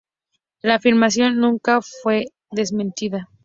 La afirmación nunca fue desmentida.